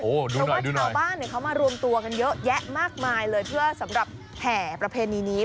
เพราะว่าชาวบ้านเขามารวมตัวกันเยอะแยะมากมายเลยเพื่อสำหรับแห่ประเพณีนี้